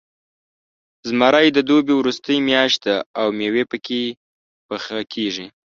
زمری د دوبي وروستۍ میاشت ده، او میوې پکې پاخه کېږي.